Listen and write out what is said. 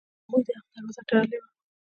هغوی د حق دروازه تړلې وه.